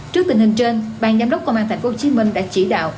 trước tình hình trên bàn giám đốc công an tp hcm đã chỉ đạo